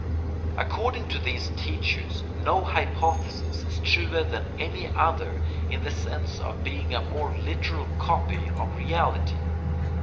According to these teachers no hypothesis is truer than any other in the sense of being a more literal copy of reality.